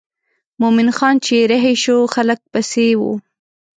مومن خان چې رهي شو خلک یې پسې وو.